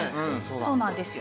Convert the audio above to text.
そうなんですよ。